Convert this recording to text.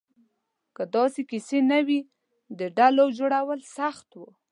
که داسې کیسې نه وې، د ډلو جوړول سخت وو.